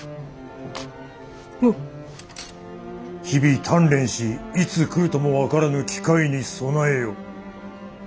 日々鍛錬しいつ来るとも分からぬ機会に備えよ。